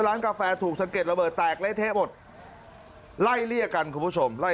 ร้านกาแฟถูกสังเกตระเบิดแตกไล่เทะหมดไล่เลี่ยกันคุณผู้ชม